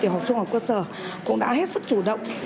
học trung học quân sở cũng đã hết sức chủ động